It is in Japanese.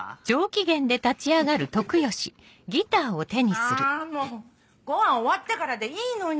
あもうごはん終わってからでいいのに。